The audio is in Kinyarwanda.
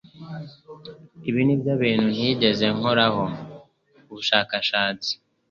ibi nibyo bintu ntigeze nkoraho ubushakashatsi